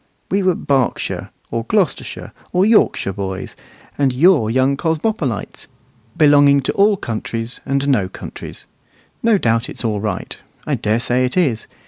We were Berkshire, or Gloucestershire, or Yorkshire boys; and you're young cosmopolites, belonging to all countries and no countries. No doubt it's all right; I dare say it is.